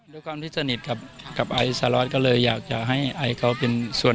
ด้วยความที่สนิทกับไอซาลอสก็เลยอยากจะให้ไอซ์เขาเป็นส่วน